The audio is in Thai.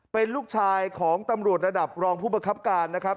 เป็นลูกชายของตำรวจระดับรองผู้ประคับการนะครับ